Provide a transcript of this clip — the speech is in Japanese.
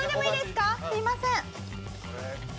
すいません。